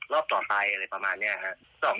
รับผิดชอบอยู่แล้วพี่ก็เป็นแบบค่ารักษารอบต่อไปประมาณนี้ครับ